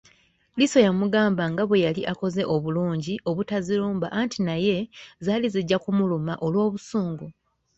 Liiso yamugamba nga bwe yali akoze obulungi obutazirumba anti naye zaali zijja kumuluma olw’obusungu.